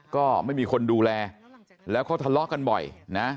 ก็ไม่มีคนดูแลแล้วเขาทะเลาะกันบ่อยนะ